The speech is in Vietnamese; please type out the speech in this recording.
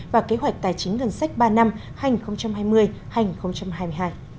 và kế hoạch tài chính ngân sách ba năm hai nghìn hai mươi hai nghìn hai mươi hai